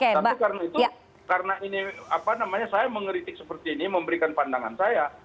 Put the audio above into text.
tapi karena itu karena ini apa namanya saya mengeritik seperti ini memberikan pandangan saya